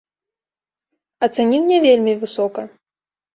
Ацаніў не вельмі высока.